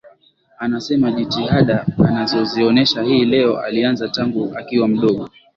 Anasema jitihada anazozionesha hii leo alianza tangu akiwa mdogo